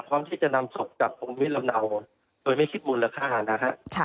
พร้อมที่จะนำศพกับโครงวิทช์ลำเนาตัวไม่คิดมูลรักษานะฮะ